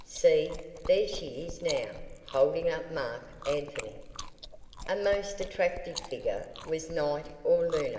See! There she is now, holding up Marc Anthony! A most attractive figure was Night or Luna.